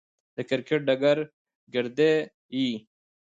د کرکټ ډګر ګيردى يي.